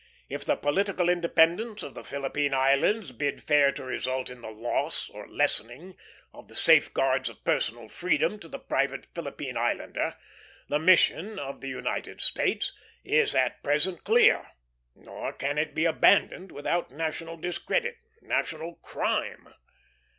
If the political independence of the Philippine Islands bid fair to result in the loss, or lessening, of the safeguards of personal freedom to the private Philippine islander, the mission of the United states is at present clear, nor can it be abandoned without national discredit; nay, national crime.